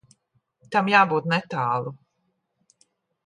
Tam jābūt netālu.